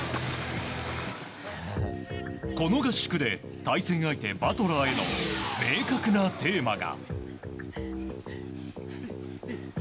この合宿で対戦相手バトラーへの明確なテーマが。